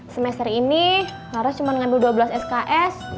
semester ini harus cuma ngambil dua belas sks